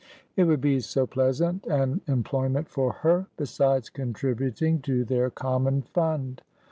It would be so pleasant an employment for her, besides contributing to their common fund.